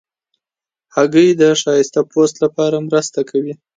هګۍ د ښایسته پوست لپاره مرسته کوي.